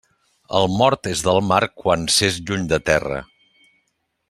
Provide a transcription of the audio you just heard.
El mort és del mar quan s'és lluny de terra.